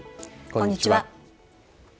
こんにちは。